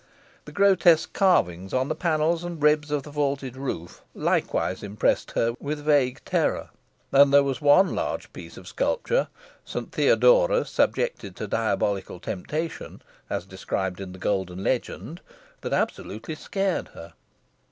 The grotesque carvings on the panels and ribs of the vaulted roof, likewise impressed her with vague terror, and there was one large piece of sculpture Saint Theodora subjected to diabolical temptation, as described in the Golden Legend that absolutely scared her.